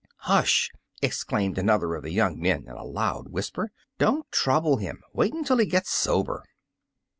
'* "Hush!'* exclaimed another of the young men in a loud whispen "Don't trouble him; wait imtil he gets sober!'